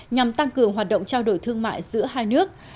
nhằm tăng cường hoạt động trao đổi thương mại giữa hai nước